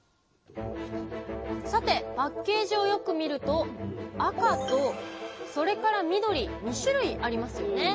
さてパッケージをよく見ると赤とそれから緑２種類ありますよね。